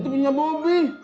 itu punya bobby